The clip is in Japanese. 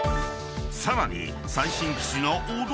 ［さらに］